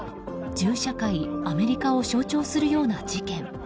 銃社会アメリカを象徴するような事件。